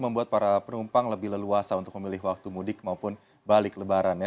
membuat para penumpang lebih leluasa untuk memilih waktu mudik maupun balik lebaran ya